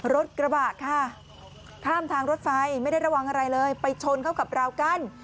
รถกระบะค่ะข้ามทางรถไฟไม่ได้ระวังอะไรเลยไปชนเข้ากับราวกั้น